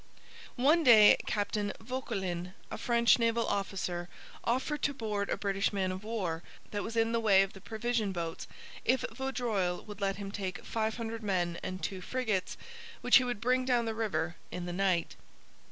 One day Captain Vauquelin, a French naval officer, offered to board a British man of war that was in the way of the provision boats, if Vaudreuil would let him take five hundred men and two frigates, which he would bring down the river in the night.